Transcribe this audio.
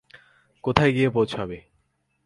কোথায় গিয়ে পৌঁছাবে?